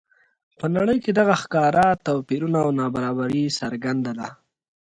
په نړۍ کې دغه ښکاره توپیرونه او نابرابري څرګنده ده.